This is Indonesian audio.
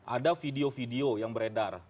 ada video video yang beredar